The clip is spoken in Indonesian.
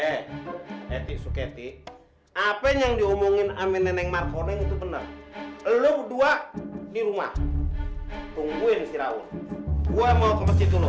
eh etik etik apen yang diomongin ama nenek nenek itu bener lu berdua di rumah tungguin si rawon gua mau ke masjid dulu